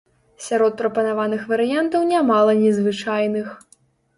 Сярод прапанаваных варыянтаў нямала незвычайных.